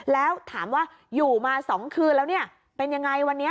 แล้วถามว่าอยู่มา๒คืนแล้วเนี่ยเป็นยังไงวันนี้